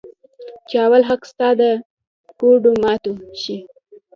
چې اول حق ستا د ګوډو ماتو شي.